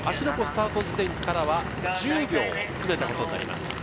芦ノ湖スタート時点からは１０秒詰めたことになります。